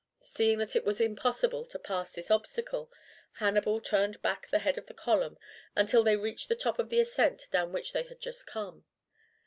Seeing that it was impossible to pass this obstacle, Hannibal turned back the head of the column until they reached the top of the ascent down which they had just come.